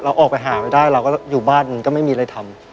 เราออกไปหาไม่ได้อยู่บ้านก็ไม่มีอะไรทำ